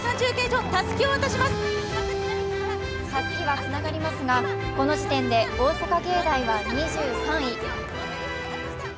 たすきはつながりますが、この時点で大阪芸大は２３位。